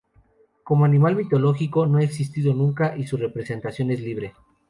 Como animal mitológico no ha existido nunca y su representación es libre.